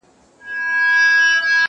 یو څه په ځان د سړیتوب جامه کو٫